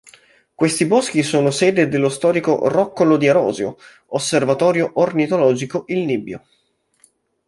Questi boschi sono sede dello storico Roccolo di Arosio, osservatorio ornitologico "il Nibbio".